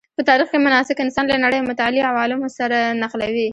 په تاریخ کې مناسک انسان له نړۍ او متعالي عوالمو سره نښلوي.